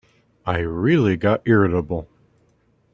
I really got irritable.